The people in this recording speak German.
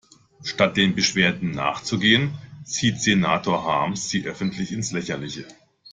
Statt den Beschwerden nachzugehen, zieht Senator Harms sie öffentlich ins Lächerliche.